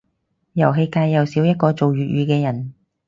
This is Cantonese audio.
遊戲界又少一個做粵語嘅人